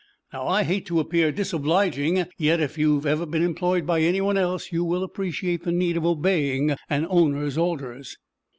Now, I hate to appear disobliging; yet, if you've ever been employed by anyone else, you will appreciate the need of obeying an owner's orders."